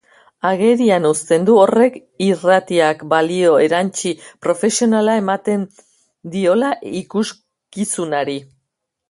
Agerian uzten du horrek irratiak balio erantsi profesionala ematen diola ikuskizunari.